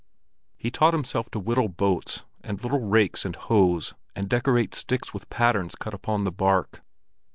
He taught himself to whittle boats and little rakes and hoes and decorate sticks with patterns cut upon the bark.